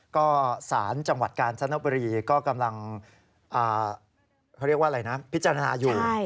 ก็สารจังหวัดการธนบุรีก็กำลังพิจารณาอยู่